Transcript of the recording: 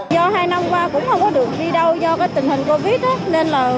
do hai năm qua cũng không có được đi đâu do tình hình covid